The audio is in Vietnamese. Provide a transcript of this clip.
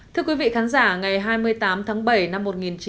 thưa quý vị khán giả ngày hai mươi tám tháng bảy năm một nghìn chín trăm bảy mươi năm